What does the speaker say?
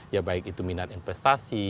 ya baik itu minat investasi